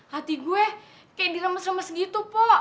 hati gue kayak diremes remes gitu pola